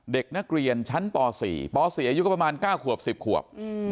เด็กนักเรียนชั้นป๔ป๔อายุก็ประมาณ๙ขวบ๑๐ขวบ